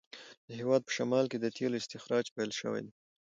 د هیواد په شمال کې د تېلو استخراج پیل شوی دی.